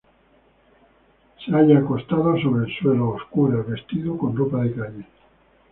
Se halla acostado sobre el suelo, a oscuras, vestido con ropa de calle.